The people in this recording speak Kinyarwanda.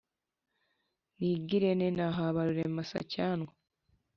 nigirente na habarurema sacyanwa